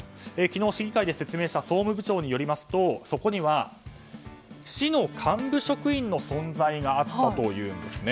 昨日市議会で説明した総務部長によりますとそこには、市の幹部職員の存在があったというんです。